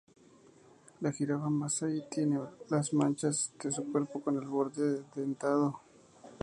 La jirafa masai tiene las manchas de su cuerpo con el borde dentado.